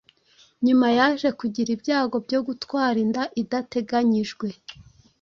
Nyuma yaje kugira ibyago byo gutwara inda idateganyijwe,